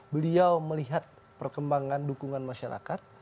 beliau melihat perkembangan dukungan masyarakat